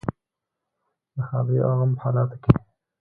د ښادۍ او غم په حالاتو کې.